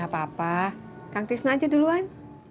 gapapa kang tisna aja duluan